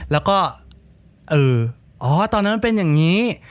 แล้วก็เอออ๋อตอนนั้นมันเป็นอย่างนี้